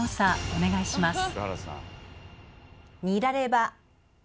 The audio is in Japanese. お願いします。